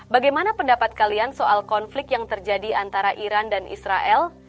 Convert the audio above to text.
bagaimana pendapat kalian soal konflik yang terjadi antara iran dan israel